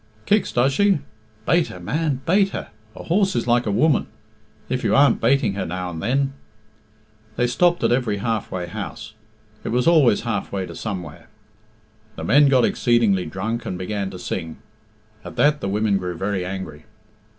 "Kicks, does she? Bate her, man; bate her. A horse is like a woman. If you aren't bating her now and then " They stopped at every half way houses it was always halfway to somewhere. The men got exceedingly drunk and began to sing. At that the women grew very angry.